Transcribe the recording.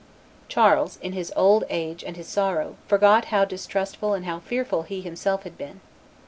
Charles, in his old age and his sorrow, forgot how distrustful and how fearful he himself had been.